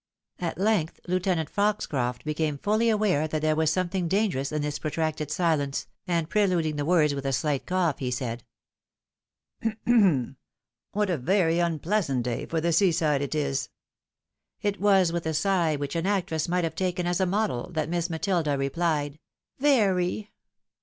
At length Lieutenant Foxcroft became folly aware that there was something dangerous in this protracted silence, and prelud ing the words by a slight cough, he said, " What a very unpleasant day for the seaside it is." It was with a sigh which an actress might have taken as a model, that Miss Matilda replied " Very."